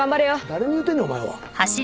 誰に言うてんねんお前は。